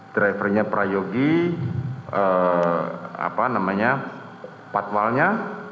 drivernya prayogi apa namanya patwalnya